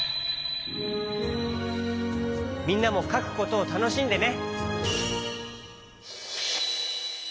みんなもかくことをたのしんでね。